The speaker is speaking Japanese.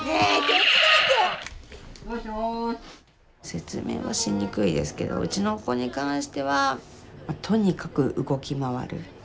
説明はしにくいですけどうちの子に関してはとにかく動き回る。